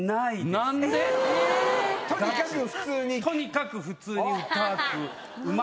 とにかく普通に？